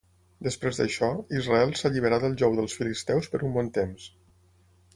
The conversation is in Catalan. Després d'això, Israel s'alliberà del jou dels filisteus per un bon temps.